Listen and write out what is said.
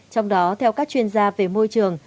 trong đó theo các chuyên gia về môi trường